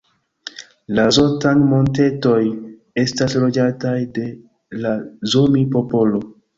La Zotang-Montetoj estas loĝataj de la Zomi-popolo.